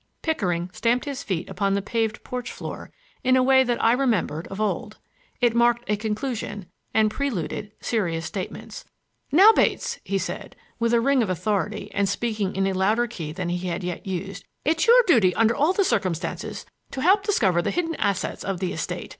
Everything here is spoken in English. Pickering stamped his feet upon the paved porch floor in a way that I remembered of old. It marked a conclusion, and preluded serious statements. "Now, Bates," he said, with a ring of authority and speaking in a louder key than he had yet used, "it's your duty under all the circumstances to help discover the hidden assets of the estate.